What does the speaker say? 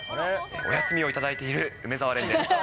お休みを頂いている梅澤廉です。